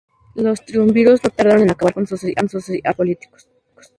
Los triunviros no tardaron en acabar con sus adversarios políticos.